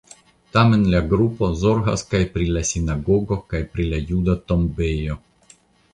Tamen la grupo zorgas kaj pri la sinagogo kaj pli la juda tombejo.